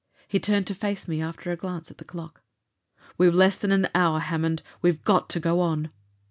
He turned to face me, after a glance at the clock. "We've less than an hour, Hammond. We've got to go on!"